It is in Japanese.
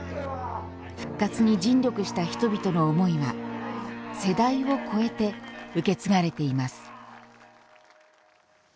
復活に尽力した人々の思いは世代を越えて受け継がれています。